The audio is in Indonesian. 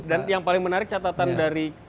dan yang paling menarik catatan dari